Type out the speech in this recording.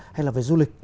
hay là về du lịch